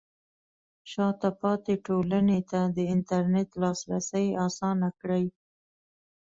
شاته پاتې ټولنې ته د انټرنیټ لاسرسی اسانه کړئ.